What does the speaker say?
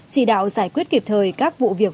chỉ đạo giải quyết kịp thời các vụ việc